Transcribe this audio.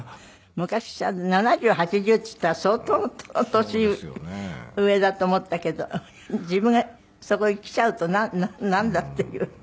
昔さ７０８０っていったら相当年上だと思ったけど自分がそこにきちゃうとなんだっていう。